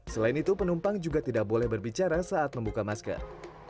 selain itu penumpang juga tidak boleh berbicara saat membuka masker